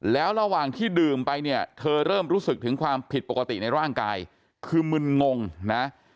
แล้วระหว่างที่ดื่มไปเนี่ยเธอเริ่มรู้สึกถึงความผิดปกติในร่างกายคือมึนงงนะ